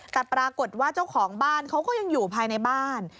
แต่ปรากฏว่าเจ้าของบ้านเขาก็ยังอยู่ภายในบ้าน